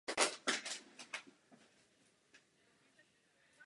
Později jeho používání bylo považováno za zastaralé a neúčinné a upadl téměř v zapomenutí.